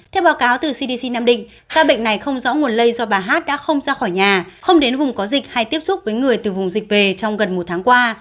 theo báo cáo từ cdc nam định ca bệnh này không rõ nguồn lây do bà hát đã không ra khỏi nhà không đến vùng có dịch hay tiếp xúc với người từ vùng dịch về trong gần một tháng qua